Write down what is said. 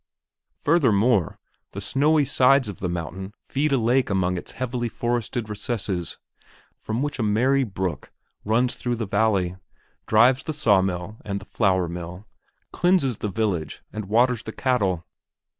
Furthermore, the snowy sides of the mountain feed a lake among its heavily forested recesses, from which a merry brook runs through the valley, drives the saw mill and the flour mill, cleanses the village and waters the cattle.